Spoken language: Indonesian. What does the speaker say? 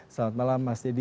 selamat malam mas dedy